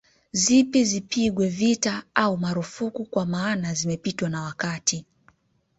Zipi zipigwe vita au marufuku kwa maana zimepitwa na wakati